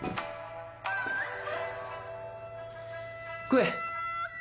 食え。